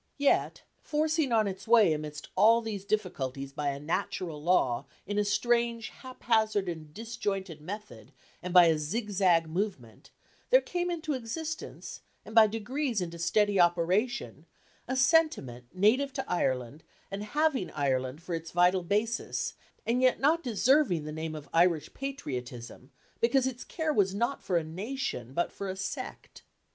Yet, forcing on its way amidst all these difficulties by a natural law, in a strange haphazard and disjointed method, and by a zigzag movement, there came into existence, and by degrees into steady operation, a sentiment native to Ireland and having Ireland for its vital basis, and yet not deserving the name of Irish patriotism, because its care was not for a nation, but for a sect.